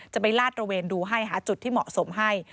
ไปลาดระเวนดูให้หาจุดที่เหมาะสมให้